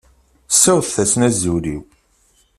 Siwḍet-asen azul-iw.